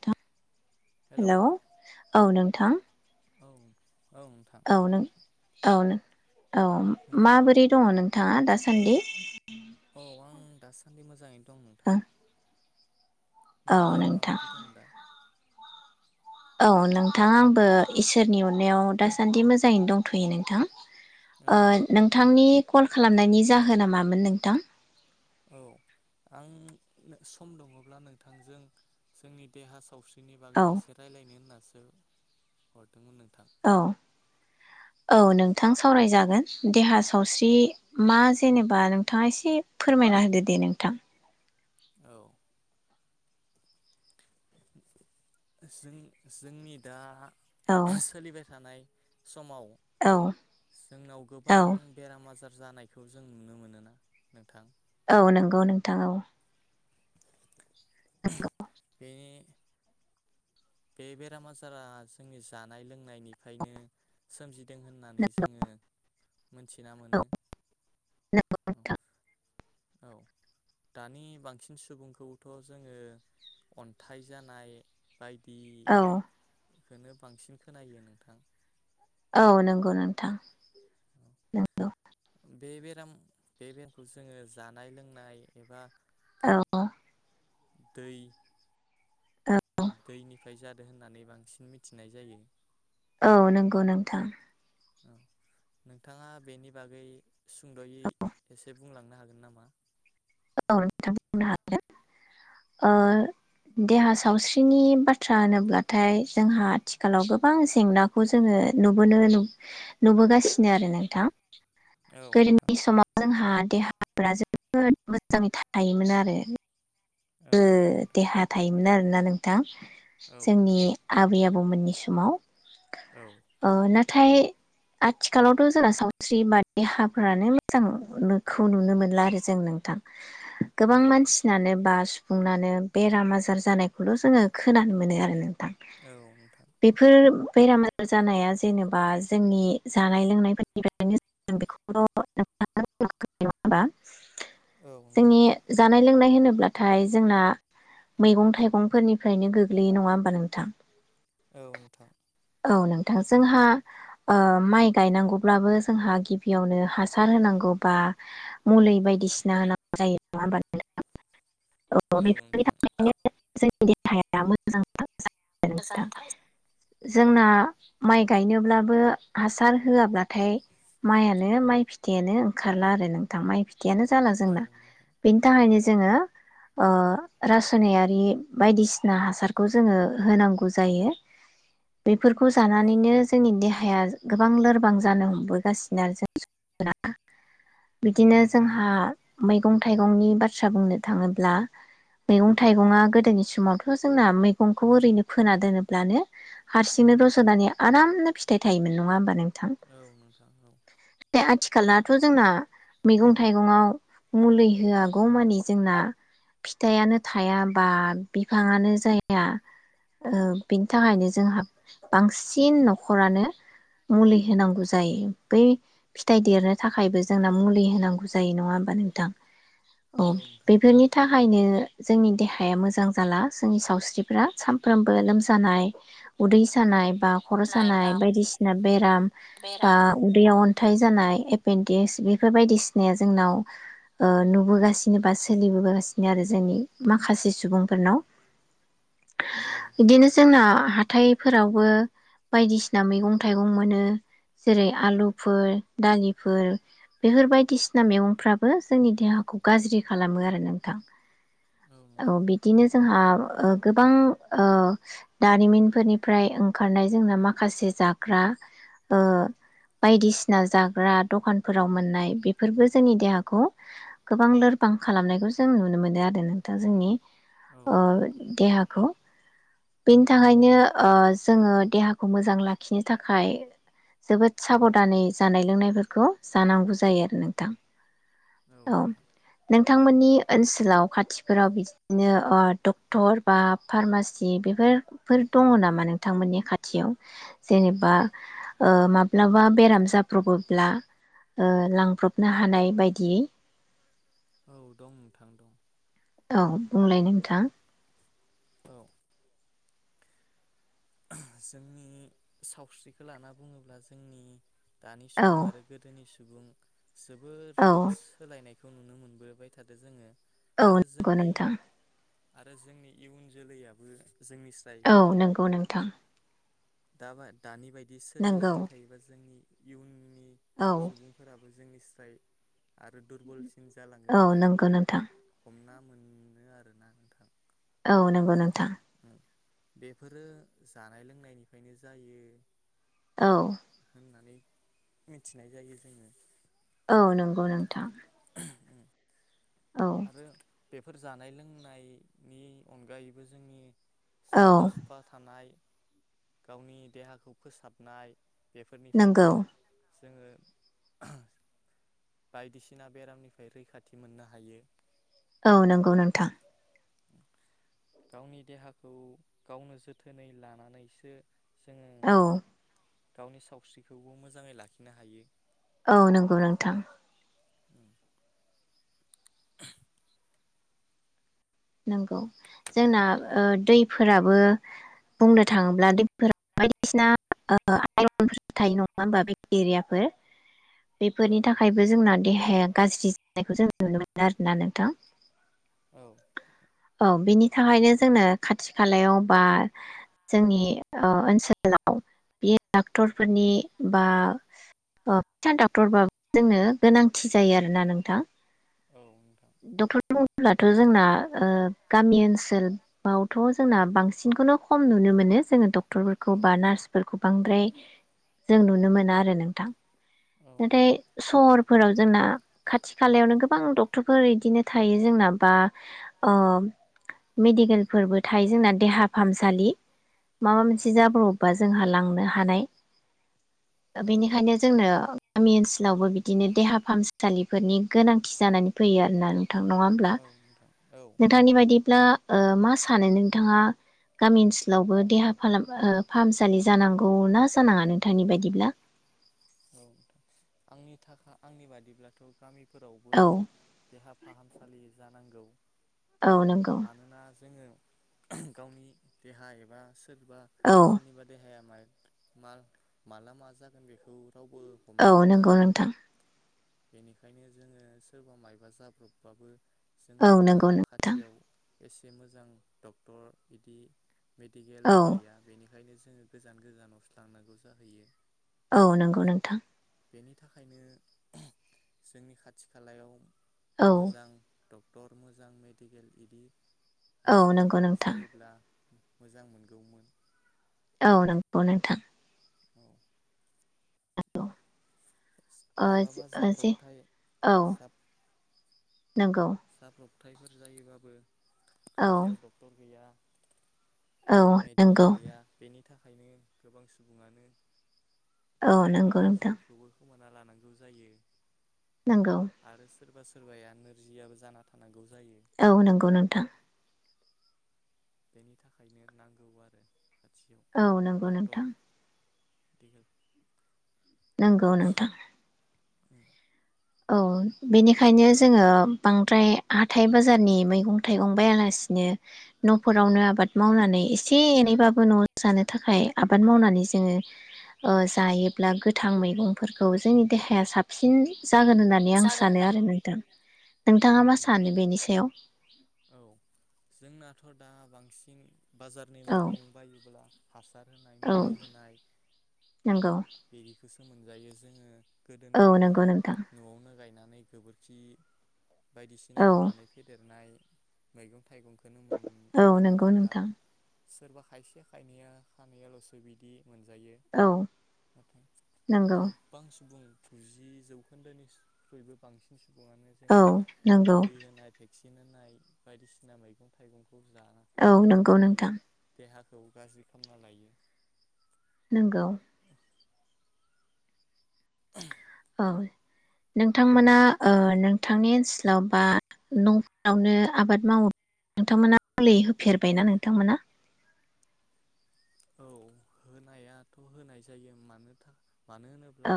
[unintelligible] Hello औ नोंथां [unintelligible] औनो औनो औ माबोरै दङ नोंथाङा दासान्दि औ आं दासान्दि मोजाङै दं नोंथां औ नोंथाङा नोंथां माबायदि दं दा औ नोंथां आंबो इसोरनि अननायाव दासान्दि मोजाङैनो दंथ'यो नोंथां ओ नोंथांनि कल खालामनायनि जाहोना मामोन नोंथां औ आं सम दङब्ला नोंथांजों जोंनि देहा सावस्रि फ्रिनि औ बागै एसे रायज्लायनो होननासो [unintelligible] औ औ नोंथां सावरायजागोन देहा सावस्रि मा जेनेबा नोंथाङा एसे फोरमायना होदो दे नोंथां औ जों जोंनि दा औ [unintelligible] सोलिबाय थानाय समाव औ जोंनाव गोबां औ बेराम आजार जानायखौ जों नुनो मोनोना नोंथां औ नोंगौ नोंथां औ बे बे बेराम आजारा जोंनि जानाय लोंनायनिफ्रायनो सोमजि दों होननानै जोङो मोनथिना औ मोनो नंगौ नोंथां औ दानि बांसिन सुबुंखौथ' जोङो अन्थाइ जानाय बायदि औ खोनो बांसिन खोनायो नोंथां औ नंगौ नोंथां नंगौ बे बेराम बे बेरामखौ जोङो जानाय लोंनाय एबा औ दै औ दैनिफ्राय जादो होननानै बांसिन मिथिनाय जायो औ नंगौ नोंथां औ नोंथाङा बेनि बागै सुंद'यै एसे बुंलांनो हागोन नामा औ नोंथां बुंनो हागोन ओ देहा सावस्रिनि बाथ्रा होनोब्लाथाय जोंहा आथिखालाव गोबां जेंनाखौ जोङो नुबोनो नुबोगासिनो आरो नोंथां गोदोनि समाव जोंहा देहाफ्रा जोबोद मोजाङै थायोमोन आरो [unintelligible] देहा थायोमोन आरो मोनला नोंथां जोंनि आबै आब बौमोननि समाव अ नाथ थाय आथिखालावथ' जोंना सावस्रि बा देहा फोरानो मोजांखौ नुनो मोनला आरो जों नोंथां गोबां मानसिनानो बास नानो बेराम आजार जानायखौल' जोङो खोनानो मोनो आरो न औ नोंथां बेराम आजार जानाया जेनेबा जोंनि जानाय [inaudible] जोंनि जानाय लोंनाय होनोब्लाथ थाय जोंना मैगं थाइगंफोरनिफ्रायनो गोग्लैयो नङा होमबा नोंथां औ नोंथां औ नोंथां जोंहा ओ माइ गायनांगौब्लाबो जोंहा गिबियावनो हासार होनांगौ बा मुलि बायदिसिना होनांगौ जायो नङा [inaudible] नोंथां औ बेफोरनि [unintelligible] [unintelligible] नोंथां [unintelligible] जोंना माइ गायनोब्लाबो हासार होआबब्लाथाय माइयानो माइ फिथाइयानो ओंखारला आरो नोंथां माइ फि [unintelligible] जाला जोंना बेनि थाखायनो जोङो ओ रासायनारि बायदिसिना हासारखौ जोङो होनांगौ जायो बेफोरखौ जानानैनो जोंनि देहाया गोबां लोरबां जानो हमबोगासिनो आरो [unintelligible] बिदिनो जोंहा मैगं थाइगंनि बाथ्रा बुंनो थाङोब्ला मैगं थाइगंआ गोदोनि समावथ' जोंना मैगंखौ ओरैनो फोना दोनोब्लानो हारसिंनो रज'नानै आरामनो फिथाइ थायोमोन नङा होमबा नों थां दा आथिखाल थ' जोंना मैगं थाइगंआव मुलि होआगौ मानि जोंना फिथाइयानो थाया बा बिफाङानो जाया ओ बिनि थाखायनो जोंहा बांसिन न'खरानो मुलि होनांगौ जायो बै फिथाइ देरनो थाखायबो जोंना मुलि होनांगौ जायो नङा होमबा नोंथां औ नोंथां बेनि थाखायनो जोंनि देहाया मोजां जाला जोंनि सावस्रिफ्रा सानफ्रोमबो लोमजानाय उदै सानाय बा खर' थानाय सानाय बा बायदिसिना बेराम बा बेराम उदैयाव अनथाय जानाय एपेन्डटिक्स बेफोर बायदिसिनाया जोंनाव ओ नुबोगासिनो बासो सोलिबोगासिनो आरो जोंनि माखासे सुबुंफोरनाव बिदिनो जोंना हाथाइफोरावबो बायदिसिना मैगं थाइगं मोनो जेरै आलुफोर दालिफोर बेफोर बायदिसिना मैगंफ्राबो जोंनि देहाखौ गाज्रि खालामो आरो नोंथां औ बिदिनो जोंहा ओ गोबां ओ दारिमिनफोरनिफ्राय ओंखारनाय जोंना माखासे जाग्रा ओ बायदिसिना जाग्रा दखानफोराव मोननाय बेफोरबो जोंनि देहाखौ गोबां लोरब बां खालामनायखौ जों नुनो मोनो आरो नोंथां जोंनि ओ देहाखौ बेनि थाखायनो ओ जोङो देहाखौ मोजां लाखिनो थाखाय जोबोद साबधानै जानाय लोंनायफोरखौ जानांगौ जायो आरो नोंथां औ नोंथां नोंथांमोननि ओनसोलाव खाथिफोराव बिदिनो ओ डक्टर बा फार्मासि बेफोरफोर दङ नामा नोंथांमोननि खाथियाव जेनेबा ओ माब्लाबा बेराम जाब्रबोब्ला ओ लांब्रबनो हानाय बायदियै औ दं नोंथां दं औ बुंलाय नोंथां औ जोंनि सावस्रिखो लाना बुङोब्ला जोंनि दानि औ सुबुं आरो गोदोनि सुबं सुबुं जोबद औ सोलायनाय खौ नुनो मोनबोबाय थादो जोङो औ आरो नंगौ जोंनि नोंथां आरो जोंनि इयुन जोलैयाबो औ नोंगौ नोंथां दाबा दानि बाय दि नंगौ सोलिलांबाय थायोबा जोंनि इयुन नु नि औ सुबुंफोराबो ज जोंनि स्राय आरो दुरबलसिन जालांगोन औ बेखौ नंगौ नोंथां हमना मोननो आरोना नोंथां औ नोंगौ नोंथां बेफोरो जानाय लोंनायनिफायनो जायो औ नानै मिथिनाय जायो जोङो औ नोंगौ नोंथां औ आरो बेफोर जानाय लोंनायनि अनगायैबो जोंनि औ साफा सुफा थानाय गावनि देहाखौ फोसाबनाय बेफोरनिफायबो नंगौ जोङो [unintelligible] बायदिसिना बेरामनिफाय रैखाथि मोननो हायो औ नोंगौ नोंथां गावनि देहाखौ गावनो जोथोनै लानानैसो जोङो औ गावनि सावस्रिखौबो मोजाङै लाखिनो हायो औ नोंगौ नोंथां [unintelligible] नोंगौ जोंना ओ दैफोराबो बुंनो थाङोब्ला दैफोरा बायदिसिना आइरनफोर थायो नङा होमबा बेक्टेरियाफोर बेफोरनि थाखायबो जोंना देहाया गाज्रि जानायखौ जों नुनो मोनो आरोना नोंथां औ औ बेनि थाखायनो जोंनो खाथि खालायाव बा जोंनि ओ ओनसोलाव बे डाक्टरफोरनि बा फिसा डक्टरबाबो जोंनो गोनांथि जायो आरोना नोंथां [inaudible] दा जोंना ओ गामि ओनसोलावथ जोंना बांसिनखौनो खम नुनो मोनो जोङो द टरफोरखौ बा नार्सफोरखौ बांद्राय जों नुनो मोना आरो नोंथां नाथाय सहरफोराव जोंना खाथि खालायावनो गोबां डक्टरफोर इदिनो थायो जोंना बा अ मेडिकेलफोरबो थायो जोंना देहा फाहामसालि माबा मोनसे जा बेनिखायनो जोंनो गामि ओनसोलावबो बिदि बिदिनो देहा फाहामसालिफोरनि गोनांथि जानानै फैयो आरोना गोथां नङा होमब्ला नोंथांनि बायदिब्ला ओ मास सानो नोंथाङा गामि ओनसोलावबो देहा फालाम ओ फाहामसालि जानांगौ ना जानाङा नोंथांनि बायदिब्ला [unintelligible] फोरावबो औ देहा फाहामसालि जानांगो [inaudible] औ नोंगौ जोङो गावनि देहा एबा सोरबा औ सोरनिबा देहाया माला मा जागोन बेखौ औ नंगौ नोंथां बेनिखायनो जोङो सोरबा मायबा जाब्रबबाबो औ जोंनाव दा नंगौ नोंथां खाथियाव एसे मोजां डक्टर बिदि औ मेडिकेलबो गैया बेनि ओंखायनो जोङो गोजान गोजानावसो लांनांगौ जाहैयो औ नोंगौ नोंथां बेनि थाखायनो जोंनि खाथि खालायाव औ मोजां ड टर मोजां मेडिकेल इदि औ मोनसे नंगौ नोंथां जायोब्ला मोजां मोनगौमोन औ नंगौ नोंथां [inaudible] [inaudible] ओ माब्लाबा ओ जे जाब्रबथाय औ नंगौ जाब्रबथायफोर जायोबाबो औ खाथियाव डक्टर गैया औ नंगौ थाखायनो गोबां सुबुङानो औ नोंगौ नोंथां। खोमाना लानांगौ जायो नांगौ सोरबा सोरबाया नोरजियाबो जाना थानांगौ औ नंगौ नोंथां बेनि थाखायनो नांगौ आरो खाथियाव औ नंगौ डक्टर नोंथां दक नोंगौ नोंथां औ बेनिखायनो जोङो बांद्राय हाथाय बाजारनि मैगं थाइगं बायालासिनो नफोरावनो आबाद मावनानै एसे एनैबाबो नआव जानो थाखाय आबाद मावनानै जोङो ओ जायोब्ला गोथां मैगंफोरखौ जोंनि देहाया साबसिन जागोन होननानै आं जागोन सानो आरो नोंथां नोंथाङा मा सानो बेनि सायाव दा बांसिन बाजारनि औ मैगं बायोब्ला हासार होनाय औ मुलै होनाय नंगौ बिदिख गोसो मोनजायो जोङो गोदोनि औ बायदि नंगौ नोंथां नआवनो गायनानै मै गोबोरखि बायदिसिना औ होनानै फेदेरनाय मैगं थाइगंखोनो मोन औ मोननो नंगौ थांला नोंथां सोरबा खायसे खायनैया खानैयालसो बिदि मोनजायो औ नाथाय नंगौ गोबां सुबुं गुजि जौखोन्दोनिख्रुइबो बांसिन सुबुङानो औ जोंनि नंगौ मुलै होनाय भेक्सि न होनाय बायदिसिना मैगं थाइगं खौ जाना औ नंगौ जानानै नोंथां देहा खौ गाज्रि खामना लायो नोंगौ [unintelligible] औ नोंथांमोना ओ नोंथांनि ओनसोलाव बा नफोरावनो आबाद मावो नोंथांमोना मै होफेरबायना नोंथांमोना औ होनायाथ' होनाय जायो मानोथा मानो होनोब्ला औ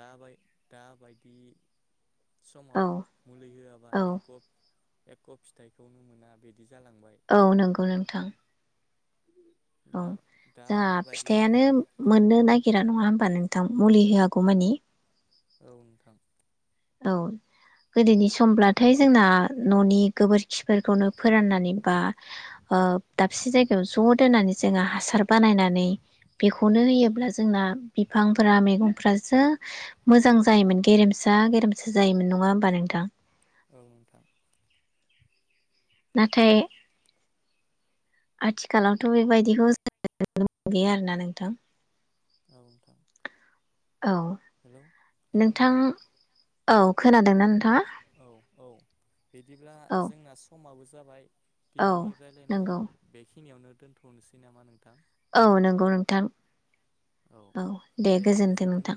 दाबाय दा बायदि समाव औ मुलि होआबा औ एक कप एख' फिथाइखौनो मोना बिदि औ नंगौ नोंथां। औ जोंहा फिथाइयानो मोननो नागिरा नङा होमबा नों थां मुलि होआग' मानि औ नोंथां औ गोदोनि समब्लाथाय जोंना न'नि गोबोरखिफोरखौनो फोराननानै बा दाबसे जायगायाव ज' दोननानै जोङो हासार बानायनानै बेखौनो होयोब्ला जोंना बिफांफोरा मैगंफ्रासो मोजां जायोमोन गेरेमसा। गोदामसो जायोमोन नङा होमबा नोंथां औ मोनथाम नाथाय आथिखालावथ' बेबायदिखौ जोनोम गैया आरोना नोंथां औ नोंथां औ खोनादोंना नों हा बिदिब्ला जोंना समाबो जाबाय औ दिनैनि रायलायनायखौ नंगौ बेखि खिनियावनो दोनथनोसै नामा नों औ नंगौ नोंथां औ दे गोजोनथों नोंथां।